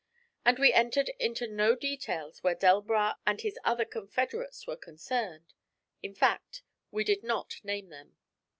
But we entered into no details where Delbras and his other confederates were concerned. In fact, we did not name them.